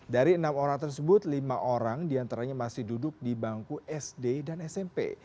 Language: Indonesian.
dari enam orang tersebut lima orang diantaranya masih duduk di bangku sd dan smp